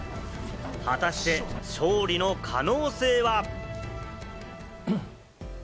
果たして、勝利の可能性は。